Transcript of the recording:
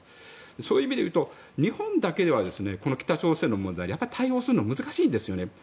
そういう意味で言うと日本だけでは北朝鮮の問題にやっぱり対応するのは難しいんですよね。